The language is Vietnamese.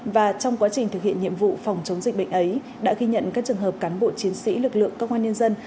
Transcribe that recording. và trong quá trình thực hiện nhiệm vụ phòng chống dịch bệnh ấy đã ghi nhận các trường hợp cán bộ chiến sĩ lực lượng công an nhân dân